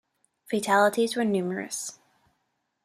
Fatalities were numerous.